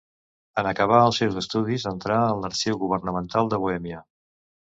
En acabar els seus estudis entrà en l'arxiu governamental de Bohèmia.